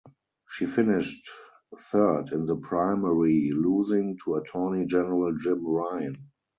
She finished third in the primary losing to Attorney General Jim Ryan.